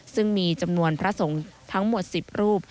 ซึ่งมีจำนวนพระสงฆ์ทั้งหมด๑๐รูป